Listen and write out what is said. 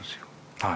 はい。